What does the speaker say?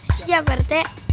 siap pak rt